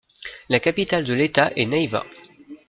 La capitale de l'État est Neiva.